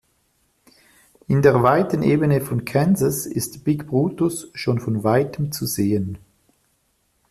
In der weiten Ebene von Kansas ist "Big Brutus" schon von weitem zu sehen.